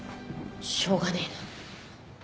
しょうがねぇな。